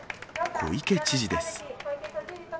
小池知事です。